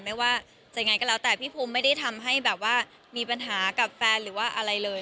ไม่ว่าจะยังไงก็แล้วแต่พี่ภูมิไม่ได้ทำให้แบบว่ามีปัญหากับแฟนหรือว่าอะไรเลย